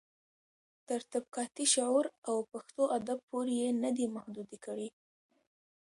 تر طبقاتي شعور او پښتو ادب پورې يې نه دي محدوې کړي.